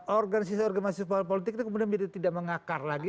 organisasi organisasi politik itu kemudian menjadi tidak mengakar lagi